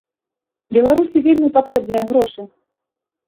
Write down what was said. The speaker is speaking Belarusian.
Беларусі вельмі патрэбныя грошы.